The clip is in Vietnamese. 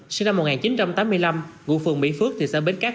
sinh năm một nghìn chín trăm tám mươi năm ngụ phường mỹ phước thị xã bến cát